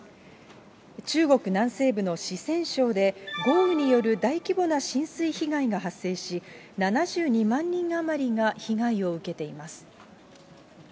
中国南西部の四川省で、豪雨による大規模な浸水被害が発生し、７２万人余りが被害を受けています。